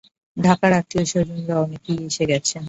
ঢাকার আত্মীয়স্বজনরা অনেকেই এসে গেছেন।